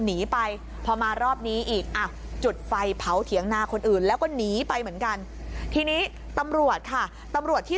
หนีไปพอมารอบนี้อีกอ่ะจุดไฟเผาเถียงนาคนอื่นแล้วก็หนีไปเหมือนกันทีนี้ตำรวจค่ะตำรวจที่